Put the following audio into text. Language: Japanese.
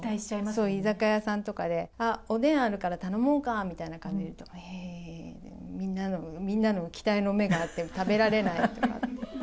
そう、居酒屋さんとかで、あ、おでんあるから頼もうかみたいな感じで言うと、いやいやいや、みんなの期待の目があって食べられないとかって。